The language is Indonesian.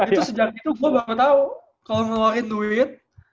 itu sejak itu gue bahkan tau kalo ngeluarin duit